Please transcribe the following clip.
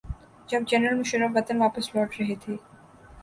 جب جنرل مشرف وطن واپس لوٹ رہے تھے۔